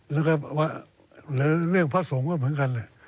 แล้วก็หรือเรื่องพระสงฆ์ก็เหมือนกัน